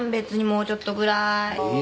もうちょっとぐらい。